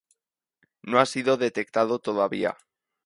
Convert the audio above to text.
No ha sido detectado todavía.